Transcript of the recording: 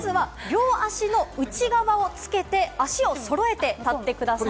まずは両足の内側をつけて、足を揃えて立ってください。